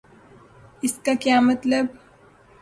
اس کا کیا مطلب؟